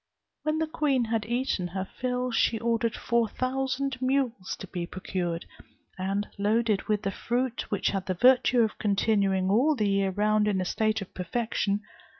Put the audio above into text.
When the queen had eaten her fill, she ordered four thousand mules to be procured, and loaded with the fruit, which had the virtue of continuing all the year round in a state of perfection.